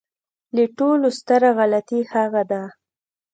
تر ټولو ستره غلطي هغه ده.